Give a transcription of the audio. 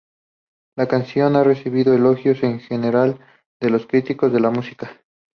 La canción ha recibido elogios en general de los críticos de la música.